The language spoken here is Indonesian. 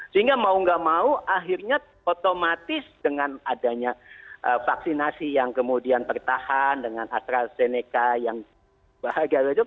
sehingga mau gak mau akhirnya otomatis dengan adanya vaksinasi yang kemudian bertahan dengan astrazeneca yang bahagia saja